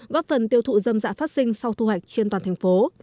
góp phần tiêu thụ dâm dạ phát sinh sau thu hoạch trên toàn thành phố